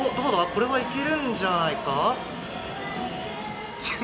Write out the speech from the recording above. これはいけるんじゃないか？